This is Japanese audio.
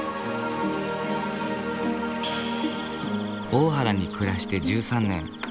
大原に暮らして１３年。